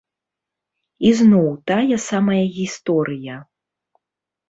Ізноў тая самая гісторыя!